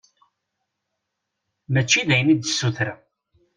Mačči d ayen i d-sutreɣ.